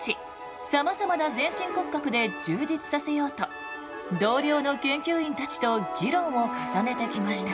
さまざまな全身骨格で充実させようと同僚の研究員たちと議論を重ねてきました。